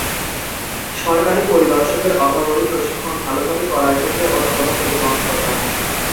সরকারি পরিদর্শকদের অভাবই প্রশিক্ষণ ভালোভাবে করার ক্ষেত্রে অন্যতম প্রতিবন্ধকতা।